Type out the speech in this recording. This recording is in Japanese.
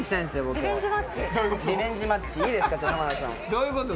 どういうこと？